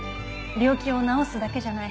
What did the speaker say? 病気を治すだけじゃない。